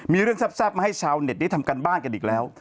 มีเรื่องแซ่บมาให้ชาวเน็ตได้ทำการบ้านกันอีกแล้ว